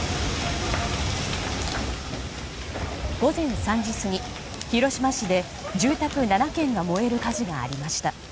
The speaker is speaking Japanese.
午前３時過ぎ、広島市で住宅７軒が燃える火事がありました。